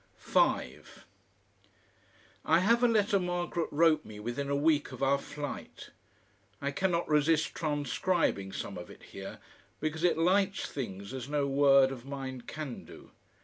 5 I have a letter Margaret wrote me within a week of our flight. I cannot resist transcribing some of it here, because it lights things as no word of mine can do.